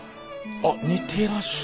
あ似てらっしゃる。